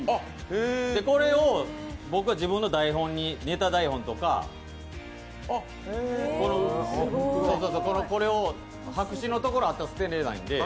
これを僕は自分のネタ台本とか。これ白紙のところがあったら捨てられないんで。